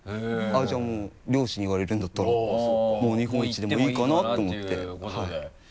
じゃあもう漁師に言われるんだったらもう日本一でもいいかなと思って言ってもいいかなということで。